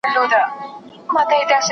تاسي کله له دغي پوهني څخه ګټه واخیسته؟